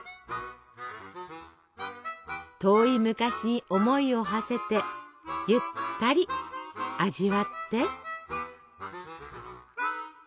遠い昔に思いをはせてゆったり味わって！